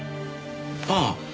ああ。